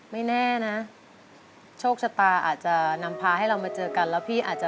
เพราะว่าเขามีเมีย